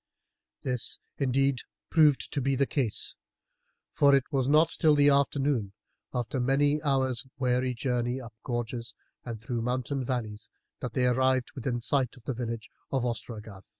This, indeed, proved to be the case, for it was not till the afternoon, after many hours' weary journey up gorges and through mountain valleys, that they arrived within sight of the village of Ostragarth.